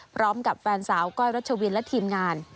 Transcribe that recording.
พร้อมกับแฟนสาวก้อยรัชวินและทีมงาน